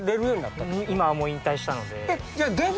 今はもう引退したので。